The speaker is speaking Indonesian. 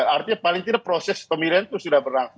artinya paling tidak proses pemilihan itu sudah berlangsung